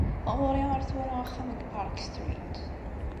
Ɣuṛ-i ar tura axxam deg Park Street.